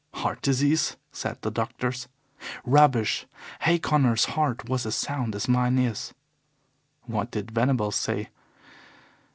'Heart disease,' said the doctors. Rubbish! Hay Connor's heart was as sound as mine is. What did Venables say?